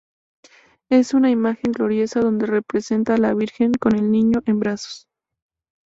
Es una imagen gloriosa donde representa a la Virgen con el niño en brazos.